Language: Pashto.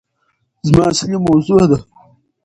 زما اصلي موضوع ده